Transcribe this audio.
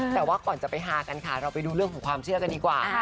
แต่ว่าก่อนจะไปฮากันค่ะเราไปดูเรื่องของความเชื่อกันดีกว่า